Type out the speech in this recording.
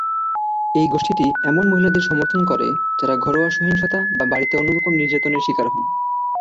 এই গোষ্ঠীটি এমন মহিলাদের সমর্থন করে যারা ঘরোয়া সহিংসতা বা বাড়িতে অন্যরকম নির্যাতনের শিকার হন।